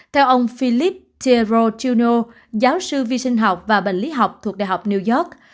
theo ông philip tiero chino giáo sư vi sinh học và bệnh lý học thuộc đại học new york